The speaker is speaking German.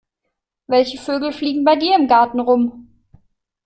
Welche Vögel fliegen bei dir im Garten rum?